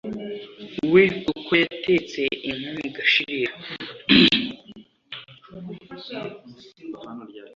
we kuko yatetse inkono igashirira